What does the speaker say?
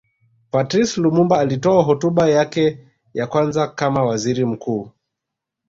Patrice Lumumba alitoa hotuba yake ya kwanza kama Waziri mkuu